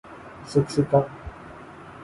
سکسیکا